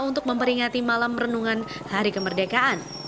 untuk memperingati malam renungan hari kemerdekaan